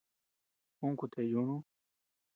Ún kutea yunu.